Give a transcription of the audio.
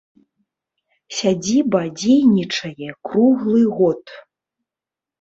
Сядзіба дзейнічае круглы год.